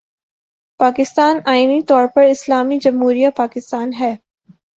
پاکستان آئینی طور پر 'اسلامی جمہوریہ پاکستان‘ ہے۔